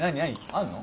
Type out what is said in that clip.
あんの？